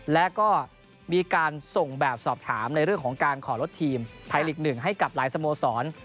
และก็มีการส่งแบบสอบถามในเรื่องของการขอลดทีมไทยลีก๑ให้กับหลายสโมสร